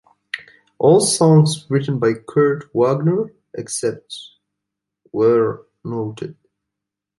All songs written by Kurt Wagner, except where noted.